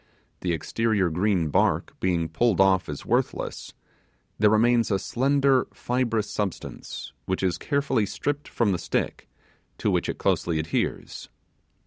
The exterior green bark being pulled off as worthless, there remains a slender fibrous substance, which is carefully stripped from the stick, to which it closely adheres.